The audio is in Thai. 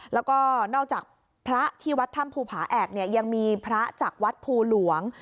แล้วก็นอกจากพระที่วัดถ้ำภูผาแอกเนี่ยยังมีพระจากวัดภูหลวง